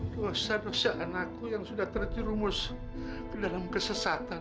dosa dosa anakku yang sudah terjerumus ke dalam kesesatan